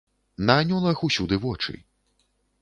На анёлах усюды вочы.